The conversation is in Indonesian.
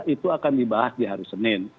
itu akan dibahas di hari senin